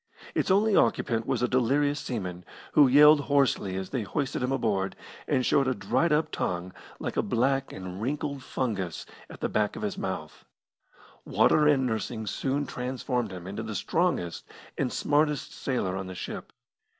Its only occupant was a delirious seaman, who yelled hoarsely as they hoisted him aboard, and showed a dried up tongue like a black and wrinkled fungus at the back of his mouth. Water and nursing soon transformed him into the strongest and smartest sailor on the ship.